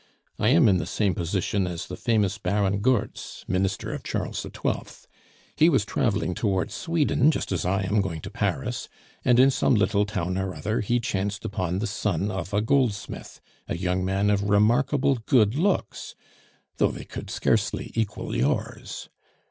I am in the same position as the famous Baron Goertz, minister of Charles XII. He was traveling toward Sweden (just as I am going to Paris), and in some little town or other he chanced upon the son of a goldsmith, a young man of remarkable good looks, though they could scarcely equal yours.